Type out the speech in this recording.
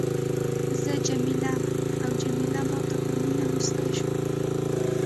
زه جميله او جميله ما ته په مینه مسکي شول.